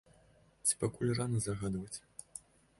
Ці пакуль рана загадваць?